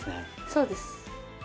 そうです。